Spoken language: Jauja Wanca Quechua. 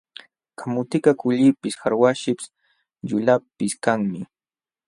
Kamutikaq kullipis, qarwaśhpis, yulaqpis kanmi.